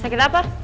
sakitnya itu apa